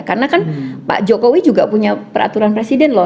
karena kan pak jokowi juga punya peraturan presiden loh